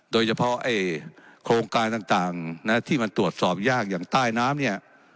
โดยเฉพาะโครงการต่างนะที่มันตรวจสอบยากอย่างใต้น้ำเนี่ย